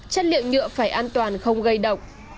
chất liệu nhựa phải an toàn không gây độc